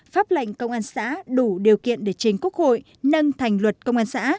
pháp lệnh công an xã đủ điều kiện để chính quốc hội nâng thành luật công an xã